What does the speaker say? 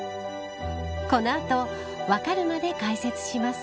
この後、わかるまで解説します。